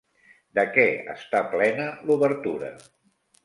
De què està plena l'obertura?